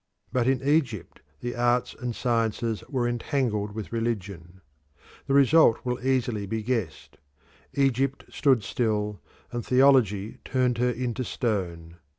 But in Egypt the arts and sciences were entangled with religion. The result will easily be guessed. Egypt stood still, and theology turned her into stone.